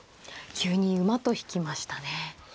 ９二馬と引きましたね。